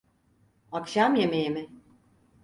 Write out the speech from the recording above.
Akşam yemeği mi?